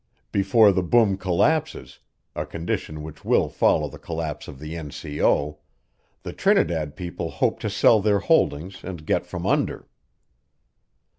Before the boom collapses a condition which will follow the collapse of the N.C.O. the Trinidad people hope to sell their holdings and get from under."